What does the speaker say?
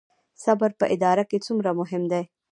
صبر په اداره کې څومره مهم دی؟